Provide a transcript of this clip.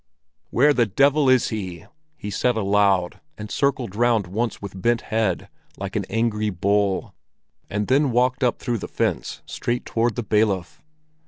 "Where the devil is he?" he said aloud, and circled round once with bent head, like an angry bull, and then walked up through the fence straight toward the bailiff.